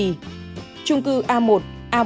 trung cư a một a bốn a năm